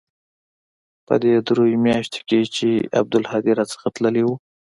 په دې درېو مياشتو کښې چې عبدالهادي را څخه تللى و.